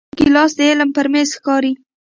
ګیلاس د علم پر میز ښکاري.